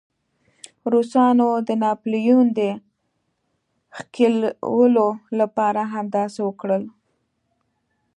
روسانو د ناپلیون د ښکېلولو لپاره همداسې وکړل.